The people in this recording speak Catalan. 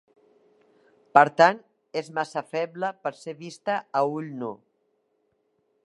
Per tant, és massa feble per ser vista a ull nu.